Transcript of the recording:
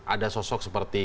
ada sosok seperti